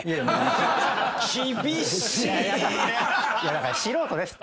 だから素人ですって。